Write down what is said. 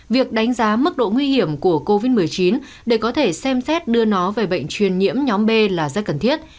việc đánh giá mức độ nguy hiểm của covid một mươi chín để có thể xem xét đưa nó về bệnh truyền nhiễm nhóm b là rất cần thiết